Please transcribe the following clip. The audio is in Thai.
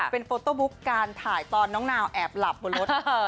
เป็นโฟโต้บุ๊กการถ่ายตอนน้องนาวแอบหลับบนรถ